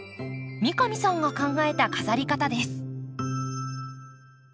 三上さんが考えた飾り方です。